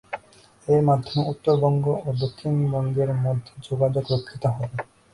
এর মাধ্যমে উত্তরবঙ্গ ও দক্ষিণবঙ্গের মধ্যে যোগাযোগ রক্ষিত হবে।